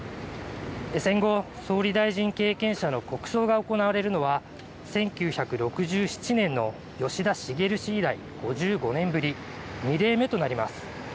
戦後、総理大臣経験者の国葬が行われるのは１９６７年の吉田茂氏以来５５年ぶり、２例目となります。